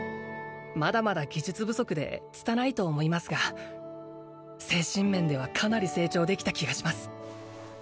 まだまだ技術不足でつたないと思いますが精神面ではかなり成長できた気がします